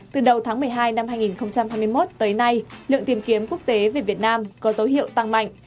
từ đầu tháng một mươi hai năm hai nghìn hai mươi một tới nay lượng tìm kiếm quốc tế về việt nam có dấu hiệu tăng mạnh